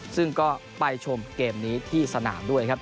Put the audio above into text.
ซึ่งก็ไปชมเกมนี้ที่สนามด้วยครับ